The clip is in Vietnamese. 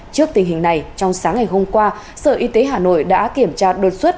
trước tình hình này trong sáng ngày hôm qua sở y tế hà nội đã kiểm tra đột xuất